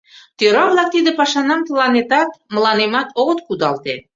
Тӧра-влак тиде пашанам тыланетат, мыланемат огыт кудалте.